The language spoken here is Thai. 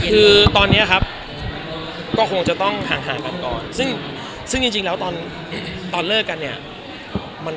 หรือว่าต้องรอของเขาใจเย็น